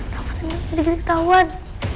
rafa ternyata ada ketahuan